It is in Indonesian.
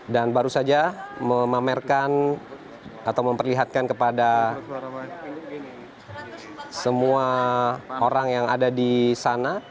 dan baru saja memamerkan atau memperlihatkan kepada semua orang yang ada di sana